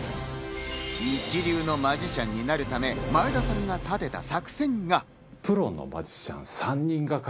一流のマジシャンになるため、前田さんが立てた作戦が。